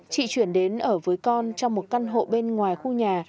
chị chuyển đến ở với con trong một căn hộ bên ngoài khu nhà